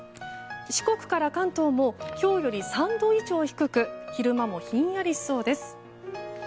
四国から関東も今日より３度以上低く昼間もひんやりしそうです。